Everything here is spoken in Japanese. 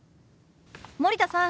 森田さん